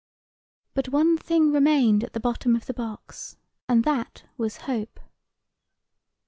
But one thing remained at the bottom of the box, and that was, Hope.